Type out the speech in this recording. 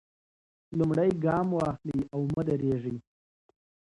لومړی ګام واخلئ او مه درېږئ.